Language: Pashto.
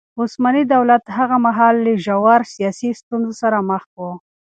عثماني دولت هغه مهال له ژورو سياسي ستونزو سره مخ و.